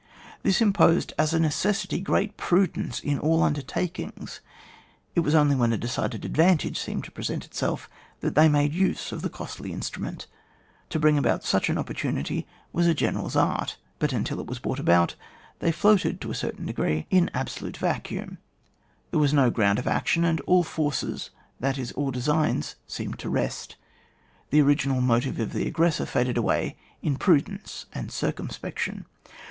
This imposed as a necessity great prudence in all undertakings. It was only when a decided advantage seemed to present itself that they made use of the costly instrument; to bring about such an opportunity was a general's art ; but until it was brought aboutthey floated to a certain degree in an CHAP. m. J OF THE MA QNITUDE OF THE OBJECT, ETC. 53 absolute vacuum, there was no ground of action, and all forces, that is all designs, seemed to rest. The original motive of the aggressor faded away in prudence and circumspection.